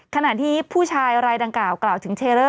ขณะที่ผู้ชายรายดังกล่าวกล่าวถึงเทเลอร์